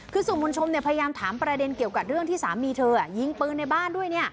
คือสู่บุญชมพยายามถามประเด็นเกี่ยวกับเรื่องที่สามีเธอยิงปืนในบ้านด้วย